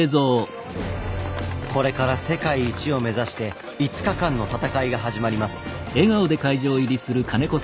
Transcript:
これから世界一を目指して５日間の戦いが始まります。